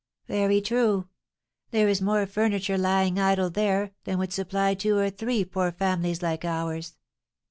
"Very true; there is more furniture lying idle there than would supply two or three poor families like ours.